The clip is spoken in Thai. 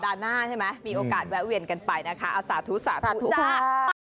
หน้าใช่ไหมมีโอกาสแวะเวียนกันไปนะคะอาสาธุสาธุค่ะ